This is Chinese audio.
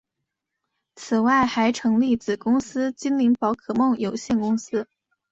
此外还成立子公司精灵宝可梦有限公司。